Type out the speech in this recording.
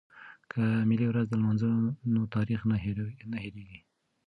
که ملي ورځ ولمانځو نو تاریخ نه هیریږي.